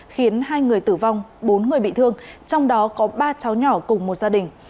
khiến hai người tử vong bốn người bị thương trong đó có ba cháu nhỏ cùng một gia đình